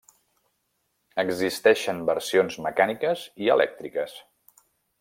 Existeixen versions mecàniques i elèctriques.